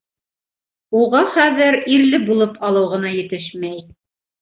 Уға хәҙер ирле булып алыу ғына етешмәй.